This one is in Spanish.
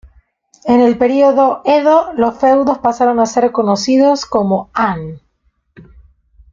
En el Periodo Edo, los feudos pasaron a ser conocidos como "han".